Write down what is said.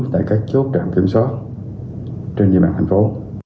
tại các chốt trạm kiểm soát trên địa bàn thành phố